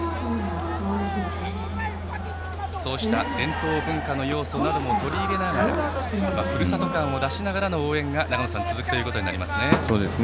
そうした伝統文化の要素なども取り入れながらふるさと感を出しながらの応援が長野さん、続くことになりますね。